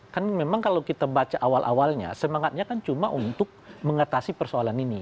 kan memang kalau kita baca awal awalnya semangatnya kan cuma untuk mengatasi persoalan ini